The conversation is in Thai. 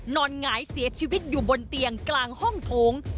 หงายเสียชีวิตอยู่บนเตียงกลางห้องโถง